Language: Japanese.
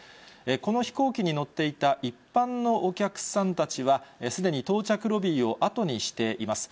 この飛行機に乗っていた一般のお客さんたちは、すでに到着ロビーを後にしています。